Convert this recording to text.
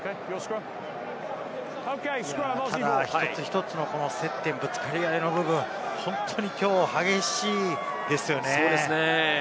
ただ一つ一つの接点、ぶつかり合いの部分を本当にきょう激しいですよね。